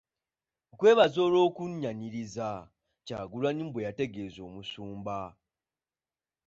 "Nkwebaza olw'okunnyaniriza.” Kyagulanyi bwe yategeezezza Omusumba.